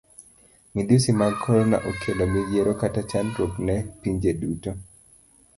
Midhusi mag korona okelo midhiero kata chandruok ne pinje duto.